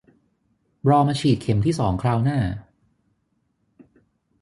รอมาฉีดเข็มที่สองคราวหน้า